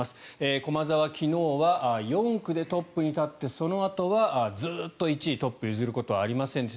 駒澤、昨日は４区でトップに立ってそのあとはずっと１位、トップを譲ることはありませんでした。